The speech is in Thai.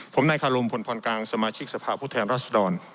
ผมนายคารมพลพรกลางสมาชิกสภาพผู้แทนรัศดร